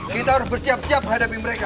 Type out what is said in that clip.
kita harus bersiap siap hadapi mereka